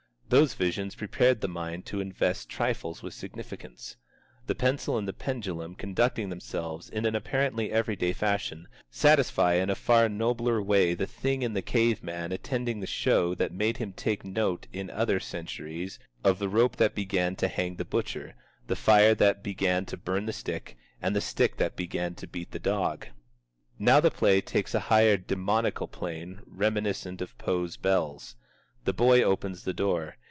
Those visions prepared the mind to invest trifles with significance. The pencil and the pendulum conducting themselves in an apparently everyday fashion, satisfy in a far nobler way the thing in the cave man attending the show that made him take note in other centuries of the rope that began to hang the butcher, the fire that began to burn the stick, and the stick that began to beat the dog. Now the play takes a higher demoniacal plane reminiscent of Poe's Bells. The boy opens the door.